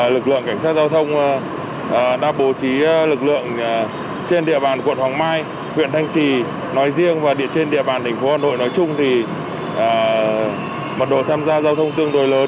lực lượng cảnh sát giao thông đã bố trí lực lượng trên địa bàn quận hoàng mai huyện thanh trì nói riêng và trên địa bàn thành phố hà nội nói chung thì mật độ tham gia giao thông tương đối lớn